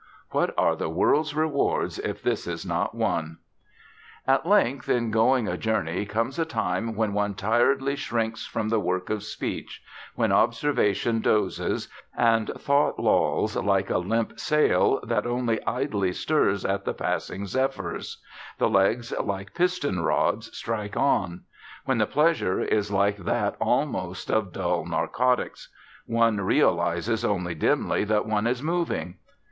What are the world's rewards if this is not one! At length in going a journey comes a time when one tiredly shrinks from the work of speech, when observation dozes, and thought lolls like a limp sail that only idly stirs at the passing zephyrs; the legs like piston rods strike on; when the pleasure is like that almost of dull narcotics; one realises only dimly that one is moving.